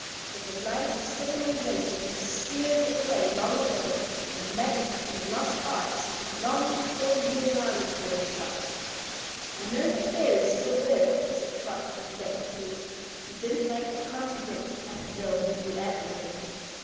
But the light o' Civilization has skeered it away long ago, an' magic's been a lost art since long afore you an' I was born, Trot." "I know that fairies still live," said Trot, reflectively. She didn't like to contradict Cap'n Bill, who knew "ever'thing."